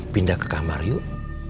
pindah ke kamar yuk